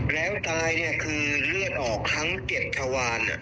แล้วตายเนี่ยคือเลือดออกทั้ง๗ชวาน